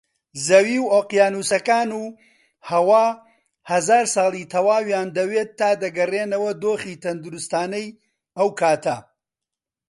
زەوی و ئۆقیانووسەکان و هەوا هەزار ساڵی تەواویان دەوێت تا دەگەڕێنەوە دۆخی تەندروستانەی ئەوکاتە